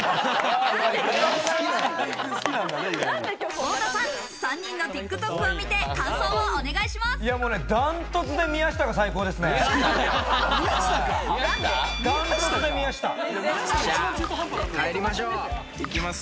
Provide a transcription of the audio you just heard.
太田さん、３人のＴｉｋＴｏｋを見て感想をお願いします。